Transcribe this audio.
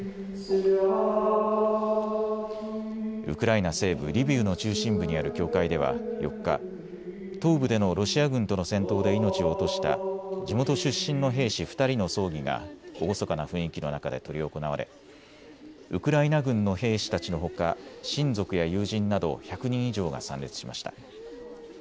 ウクライナ西部リビウの中心部にある教会では４日、東部でのロシア軍との戦闘で命を落とした地元出身の兵士２人の葬儀が厳かな雰囲気の中で執り行われウクライナ軍の兵士たちのほか親族や友人など１００人以上が参列しました。